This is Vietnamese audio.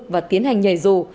và tiến hành nhảy dù